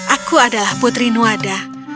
aku adalah putri nuwada